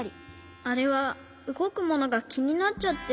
あれはうごくものがきになっちゃって。